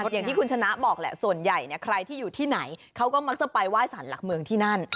อย่างที่คุณชนะบอกแหละส่วนใหญ่ใครที่อยู่ที่ไหนเขาก็มักจะไปไหว้สารหลักเมืองที่นั่น